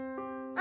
「あ！」